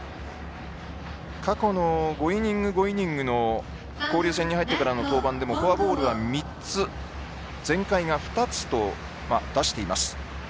過去の５イニング、５イニングの交流戦に入ってからの登板でもフォアボールが３つ前回が２つと出しています。